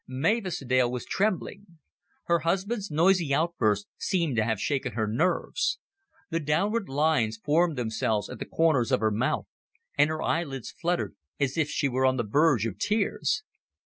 Mavis Dale was trembling. Her husband's noisy outburst seemed to have shaken her nerves; the downward lines formed themselves at the corners of her mouth; and her eyelids fluttered as if she were on the verge of tears.